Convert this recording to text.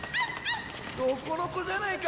ロコロコじゃないか！